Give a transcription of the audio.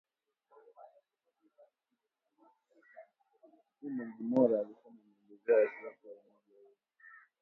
Eamon Gilmore alisema ameelezea wasiwasi wa umoja huo,